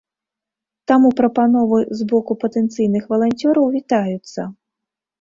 Таму прапановы з боку патэнцыйных валанцёраў вітаюцца.